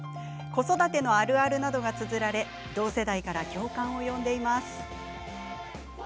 子育てのあるあるなどがつづられ同世代から共感を呼んでいます。